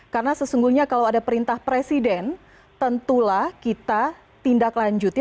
karena sesungguhnya kalau ada perintah presiden tentulah kita tindaklanjuti